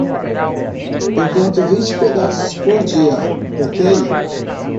Eu conto vinte pedaços por dia, ok?